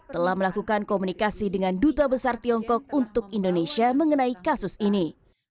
telah melakukan komunikasi dengan duta besar tiongkok untuk indonesia mengenai kasus ini